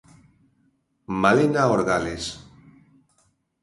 Malena Orgales.